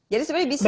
jadi sebenarnya bisa